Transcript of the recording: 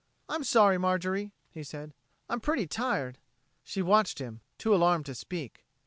"I'm sorry, Marjorie," he said. "I'm pretty tired." She watched him, too alarmed to speak.